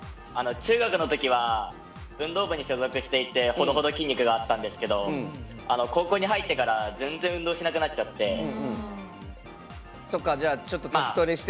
中学のときは運動部に所属していてほどほど筋肉があったんですけど高校に入ってから全然、運動しなくなっちゃって。